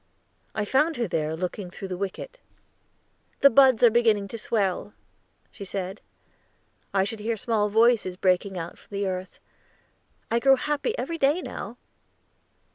I found her there, looking through the wicket. "The buds are beginning to swell," she said. "I should hear small voices breaking out from the earth. I grow happy every day now."